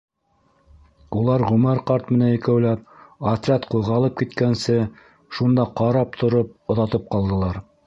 Улар Үмәр ҡарт менән икәүләп, отряд ҡуҙғалып киткәнсе, шунда ҡарап тороп, оҙатып ҡалдылар.